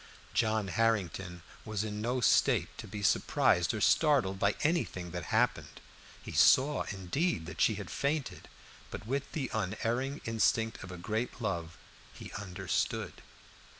John Harrington was in no state to be surprised or startled by anything that happened. He saw, indeed, that she had fainted, but with the unerring instinct of a great love he understood.